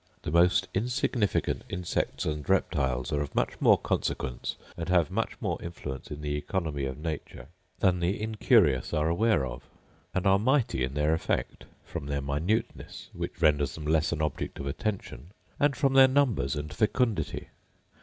The most insignificant insects and reptiles are of much more consequence, and have much more influence in the Economy nature, than the incurious are aware of; and are mighty in their effect, from their minuteness, which renders them less an object of attention; and from their numbers and fecundity.